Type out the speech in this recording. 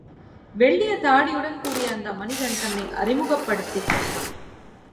வெள்ளிய தாடியுடன் கூடிய அந்த மனிதன் தன்னை அறிமுகப் படுத்திக் கொண்டான்.